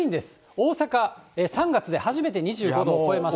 大阪、３月で初めて２５度を超えました。